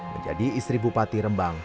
menjadi istri bupati rembang